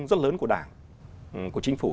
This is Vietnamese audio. rất lớn của đảng của chính phủ